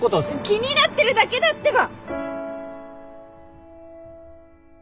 気になってるだけだってば！